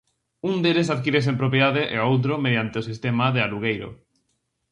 Un deles adquírese en propiedade e o outro, mediante o sistema de alugueiro.